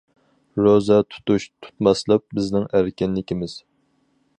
روزا تۇتۇش- تۇتماسلىق بىزنىڭ ئەركىنلىكىمىز.